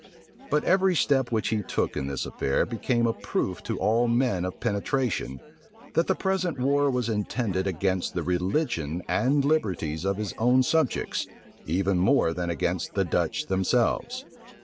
But every step which he took in this affair became a proof to all men of penetration, that the present war was intended against the religion and liberties of his own subjects, even more than against the Dutch themselves.